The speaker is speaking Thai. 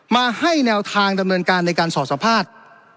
มาให้แนวทางดำเนินการในการสอดสัมภาษณ์